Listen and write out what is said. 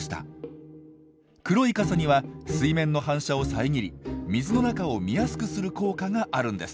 黒い傘には水面の反射をさえぎり水の中を見やすくする効果があるんです。